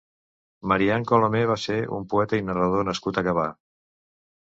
Marian Colomé va ser un poeta i narrador nascut a Gavà.